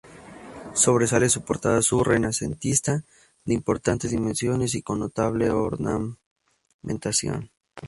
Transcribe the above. Sobresale su portada Sur, renacentista, de importantes dimensiones y con notable ornamentación.